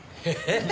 えっ？